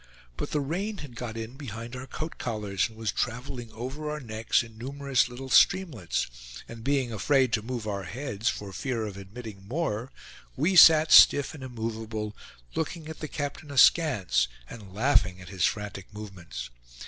But the rain had got in behind our coat collars, and was traveling over our necks in numerous little streamlets, and being afraid to move our heads, for fear of admitting more, we sat stiff and immovable, looking at the captain askance, and laughing at his frantic movements.